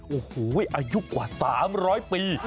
โอ้โหอายุกว่า๓๐๐ปี